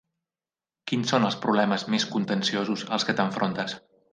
Quins són els problemes més contenciosos als que t'enfrontes?